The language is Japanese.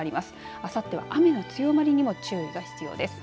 あさっては雨の強まりにも注意が必要です。